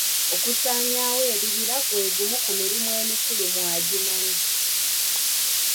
Okusaanyawo ebibira gwe gumu ku mirimu emikulu mu Adjumani.